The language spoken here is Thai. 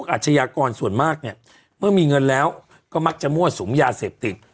อาชญากรส่วนมากเนี่ยเมื่อมีเงินแล้วก็มักจะมั่วสุมยาเสพติด